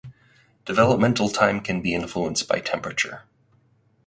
Developmental time can be influenced by temperature.